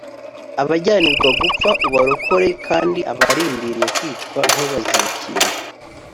abajyanirwa gupfa ubarokore, kandi abarindiriye kwicwa ntubazibukire